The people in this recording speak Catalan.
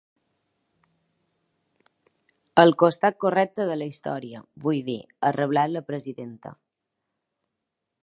Al costat correcte de la història, vull dir, ha reblat la presidenta.